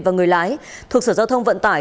và người lái thuộc sở giao thông vận tải